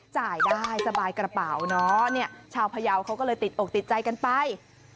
จ่ายได้สบายกระเป๋าเนอะเนี่ยชาวพยาวเขาก็เลยติดอกติดใจกันไป